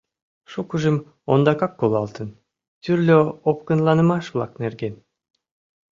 Шукыжым ондакак колалтын, тӱрлӧ опкынланымаш-влак нерген.